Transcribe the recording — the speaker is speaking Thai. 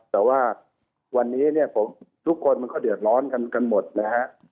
แต่ว่าวันนี้เนี่ยทุกคนมันก็เดือดร้อนกันหมดนะฮะ